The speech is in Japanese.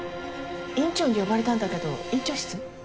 院長に呼ばれたんだけど院長室？